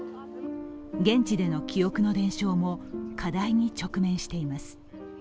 現地での記憶の伝承も課題に直面しています。